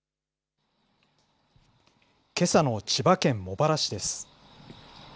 けさの千葉県茂原市です。